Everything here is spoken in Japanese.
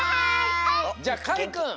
じゃあかいくん！